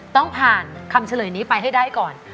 ต้องผ่านคำเฉลยนี้ไปให้ได้ก่อน